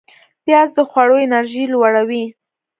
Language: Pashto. پیاز د خواړو انرژی لوړوي